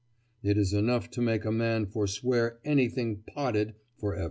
it is enough to make a man forswear anything 'potted' for ever."